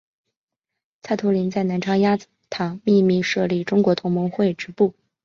蔡突灵在南昌鸭子塘秘密设立中国同盟会支部。